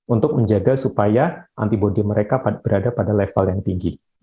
untuk menjaga supaya antibody mereka berada pada level yang tinggi